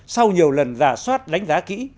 sau nhiều lần rà soát đánh giá kỹ